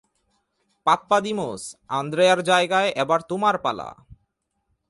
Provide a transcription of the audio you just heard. Pappadimos, আন্দ্রেয়ার জায়গায় এবার তোমার পালা।